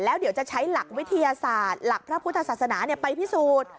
แล้วเดี๋ยวจะใช้หลักวิทยาศาสตร์หลักพระพุทธศาสนาไปพิสูจน์